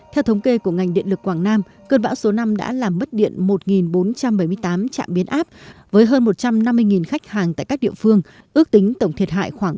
theo thống kê của ngành điện lực quảng nam cơn bão số năm đã làm mất điện một bốn trăm bảy mươi tám trạm biến áp với hơn một trăm năm mươi khách hàng tại các địa phương ước tính tổng thiệt hại khoảng